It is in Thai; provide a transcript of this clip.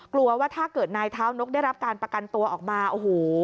กลัวว่าถ้าเกิดนายเท้านกได้รับการประกันตัวออกมาโอ้โห